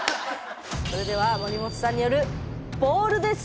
それでは森本さんによる「ボール」です！